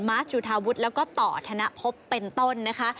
สจุธาวุฒิแล้วก็ต่อธนภพเป็นต้นนะคะ